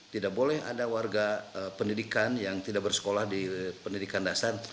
tidak boleh ada warga pendidikan yang tidak bersekolah di pendidikan dasar